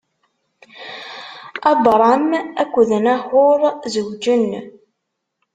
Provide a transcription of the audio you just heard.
Abṛam akked Naḥuṛ zewǧen.